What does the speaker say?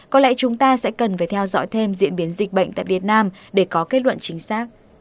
có lẽ chúng ta sẽ cần phải theo dõi thêm diễn biến dịch bệnh tại việt nam để có kết luận chính xác